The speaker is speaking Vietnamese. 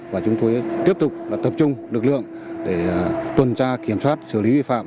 và chúng tôi tiếp tục tập trung lực lượng để tuần tra kiểm soát xử lý vi phạm